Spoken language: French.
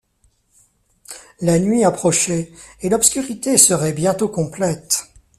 La nuit approchait, et l’obscurité serait bientôt complète.